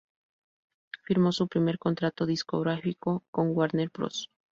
Firmó su primer contrato discográfico con Warner Bros.